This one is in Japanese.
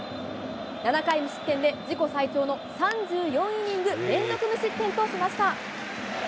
７回無失点で自己最長の３４イニング連続無失点としました。